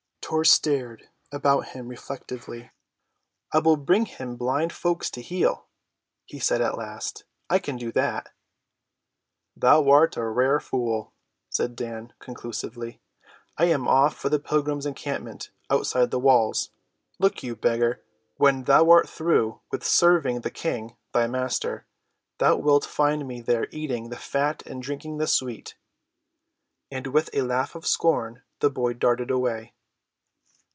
Tor stared about him reflectively. "I will bring him blind folks to heal," he said at last. "I can do that." "Thou art a rare fool," said Dan conclusively. "I am off for the pilgrim encampment outside the walls. Look you, beggar, when thou art through with serving the King, thy Master, thou wilt find me there eating the fat and drinking the sweet," and with a laugh of scorn the boy darted away.